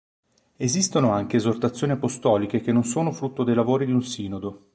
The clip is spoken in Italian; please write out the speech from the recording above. Esistono anche esortazioni apostoliche che non sono frutto dei lavori di un sinodo.